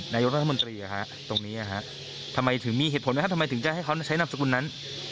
นายกรัฐมนตรีตรงนี้ทำไมถึงมีเหตุผลไหมครับทำไมถึงจะให้เขาใช้นามสกุลนั้น